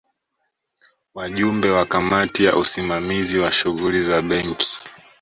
Wajumbe wa Kamati ya Usimamizi wa Shughuli za Benki